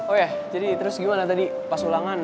oh ya jadi terus gimana tadi pas ulangan